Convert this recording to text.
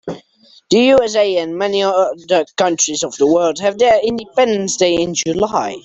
The USA and many other countries of the world have their independence day in July.